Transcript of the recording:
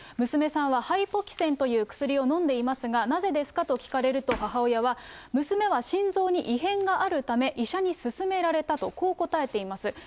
娘さんはハイポキセンという薬を飲んでいますが、なぜですかと聞かれると、母親は、娘は心臓に異変があるため、医者に勧められたと、こう答えています。